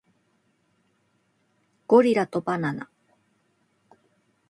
ゴリラとバナナ